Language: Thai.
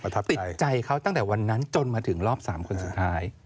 ติดใจเขาตั้งแต่วันนั้นจนมาถึงรอบ๓คนสุดท้าย